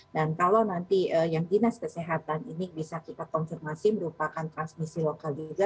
dan kalau nanti yang dinas kesehatan ini bisa kita konfirmasi merupakan transmisi lokal juga